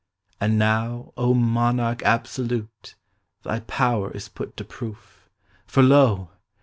And now, O monarch absolute. Thy power is put to proof; for lo!